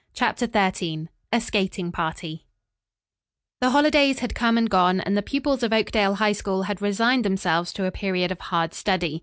CHAPTER XIII A SKATING PARTY The holidays had come and gone, and the pupils of Oakdale High School had resigned themselves to a period of hard study.